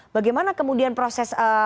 bagaimana kemudian proses